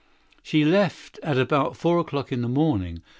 She left the ball about four o'clock in the morning.